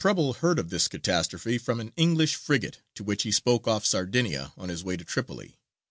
_)] Preble heard of this catastrophe from an English frigate to which he spoke off Sardinia on his way to Tripoli.